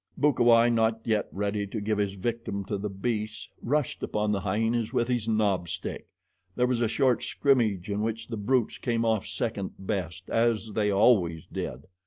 Bukawai, not yet ready to give his victim to the beasts, rushed upon the hyenas with his knob stick. There was a short scrimmage in which the brutes came off second best, as they always did.